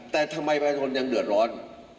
แต่ทำไมเรายังเด่นล้อน